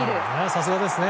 さすがですね。